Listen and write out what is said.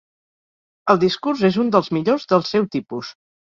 El discurs és un dels millors del seu tipus.